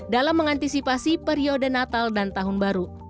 dalam mengantisipasi periode natal dan tahun baru